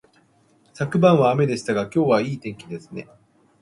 昨晩は雨でしたが、今日はいい天気ですね